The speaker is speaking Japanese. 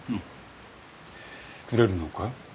くれるのかい？